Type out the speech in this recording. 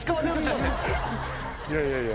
いやいやいや。